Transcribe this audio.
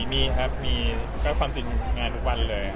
มีครับมีก็ความจริงงานทุกวันเลย